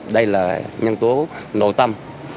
đây là nhân tố nội tâm